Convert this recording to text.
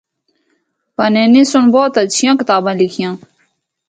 پانینی سنڑ بہت ہچھیاں کتاباں لکھیاں۔